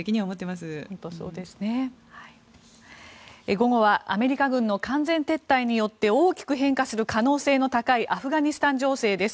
午後はアメリカ軍の完全撤退によって大きく変化する可能性の高いアフガニスタン情勢です。